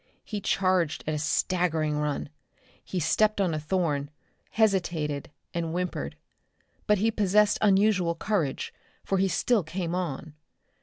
He charged at a staggering run. He stepped on a thorn, hesitated, and whimpered. But he possessed unusual courage, for he still came on.